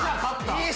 いい！